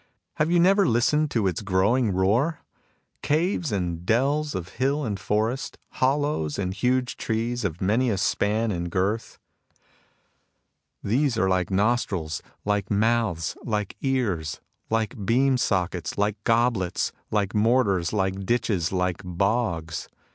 Have you never listened to its growing roar ? Caves and dells of hill and forest, hollows in huge trees of many a span in girth, — ^these 42 THE MUSIC OF HEAVEN 43 are like nostrils, like mouths, like ears, like beam sockets, like goblets, like mortars, like ditches, like bogs.